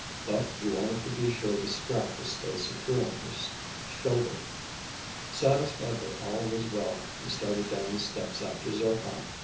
But he wanted to be sure the strap was still secure on his shoulder. Satisfied that all was well, he started down the steps after Zircon.